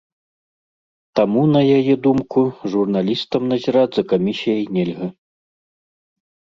Таму, на яе думку, журналістам назіраць за камісіяй нельга.